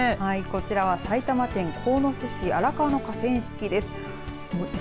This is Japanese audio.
こちらは埼玉県鴻巣市荒川の河川敷です。